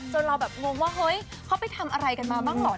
เราแบบงงว่าเฮ้ยเขาไปทำอะไรกันมาบ้างเหรอ